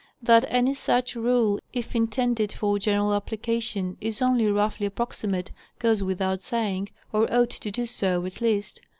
That any such rule, if intended for general application, is only roughly approximate, goes without Saying, or ought to do so, at least.